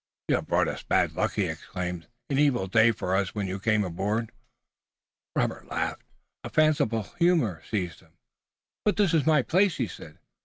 "You have brought us bad luck," he exclaimed. "An evil day for us when you came aboard." Robert laughed. A fanciful humor seized him. "But this is my place," he said.